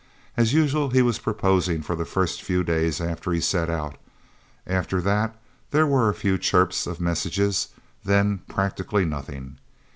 As usual he was proposing for the first few days after he set out. After that, there were a few chirps of messages. Then practically nothing.